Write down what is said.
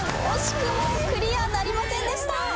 惜しくもクリアなりませんでした。